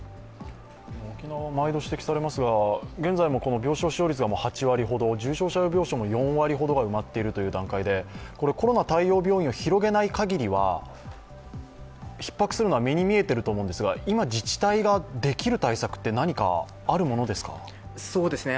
沖縄は毎度指摘されますが現在も病床使用率が８割ほど、重症者病床率が４割ほどという状況でコロナ対応病院を広げないかぎりひっ迫するのは目に見えていると思うんですが、今、自治体ができる対策って何かあるものですか？